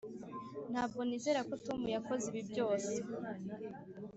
ntabwo nizera ko tom yakoze ibi byose.